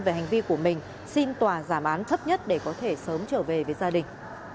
về hành vi của mình xin tòa giảm án thấp nhất để có thể sớm trở về với gia đình